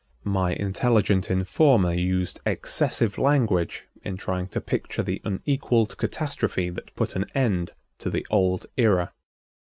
My intelligent informer used excessive language in trying to picture the unequaled catastrophe that put an end to the old era.